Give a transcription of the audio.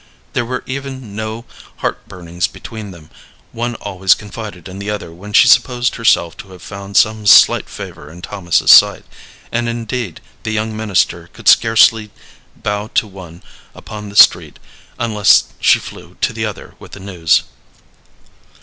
There were even no heart burnings between them; one always confided in the other when she supposed herself to have found some slight favor in Thomas's sight; and, indeed, the young minister could scarcely bow to one upon the street unless she flew to the other with the news.